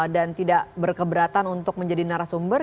dan tidak berkeberatan untuk menjadi narasumber